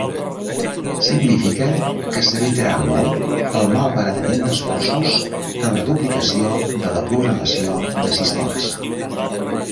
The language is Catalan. Significa que s'evitarà molt el malbaratament d'esforços en la duplicació de la programació de sistemes.